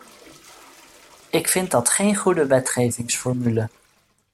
Ik vind dat geen goede wetgevingsformule.